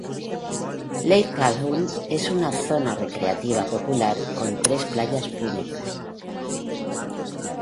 Lake Calhoun es una zona recreativa popular con tres playas públicas.